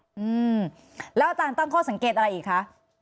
อืมแล้วอาจารย์ตั้งข้อสังเกตอะไรอีกคะ